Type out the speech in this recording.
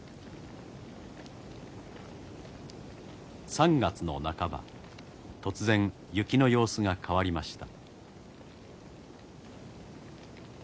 ３月の半ば突然雪の様子が変わりました。